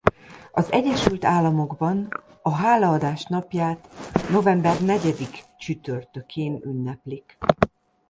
Az Egyesült Államokban a hálaadás napját november negyedik csütörtökén ünneplik.